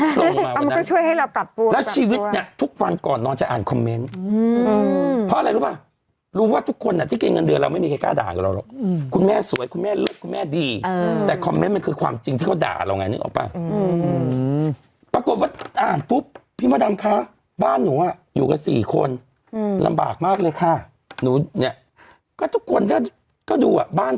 ต้องขอบคุณทัวร์นะต้องขอบคุณทัวร์นะต้องขอบคุณทัวร์นะต้องขอบคุณทัวร์นะต้องขอบคุณทัวร์นะต้องขอบคุณทัวร์นะต้องขอบคุณทัวร์นะต้องขอบคุณทัวร์นะต้องขอบคุณทัวร์นะต้องขอบคุณทัวร์นะต้องขอบคุณทัวร์นะต้องขอบคุณทัวร์นะต้องขอบคุณทัวร์นะต้องขอบคุณทัวร์นะ